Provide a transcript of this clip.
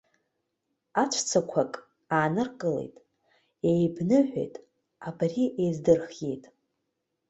Аҵәыцақәак ааныркылеит, еибаныҳәеит, абри аздырхеит.